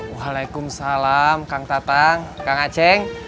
wa'alaikum salam kang tatang kang aceng